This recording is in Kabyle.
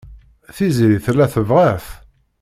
Tiziri tella tebɣa-t.